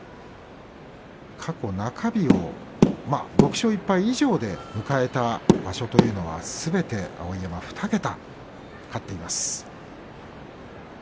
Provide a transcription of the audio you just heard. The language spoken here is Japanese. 過去、中日を６勝１敗以上で迎えた場所というのはすべて碧山２桁勝っています。